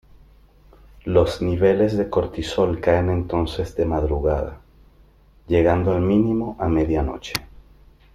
Los niveles de cortisol caen entonces de madrugada, llegando al mínimo a media noche.